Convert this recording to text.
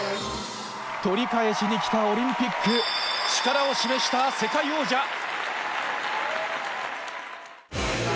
取り返しに来たオリンピック力を示した世界王者！